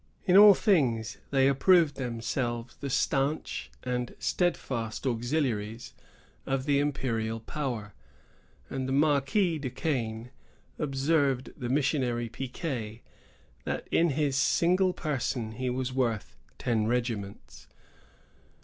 In all things they approved themselves the stanch and steadfast auxiliaries of the imperial power; and the Marquis du Quesne observed of the missionary Picquet, that in his single person he was worth ten regiments.